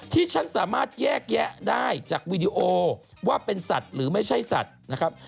ที่ฉันสามารถแยกแยะได้จากวีดีโอว่าเป็นสัตว์หรือไม่ใช่สัตว์นะครับ